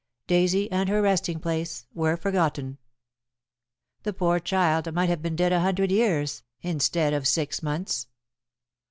Daisy and her resting place were forgotten. The poor child might have been dead a hundred years instead of six months.